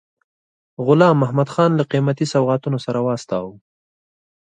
غلام محمدخان له قیمتي سوغاتونو سره واستاوه.